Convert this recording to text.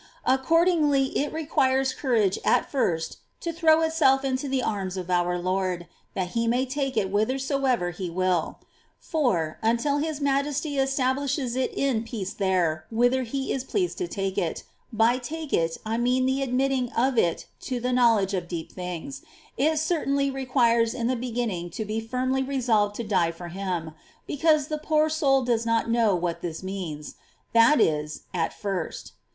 Accordingly it requires courage at first to throw itself into the arms of our Lord, that He may take it whithersoever He will ; for, until His Majesty establishes it in peace there whither He is pleased to take it — by take it I mean the admitting of it to the knowledge of deep things — it certainly requires in the beginning to be firmly resolved to die for Him, because the poor soul does not know what this means — that is, at first.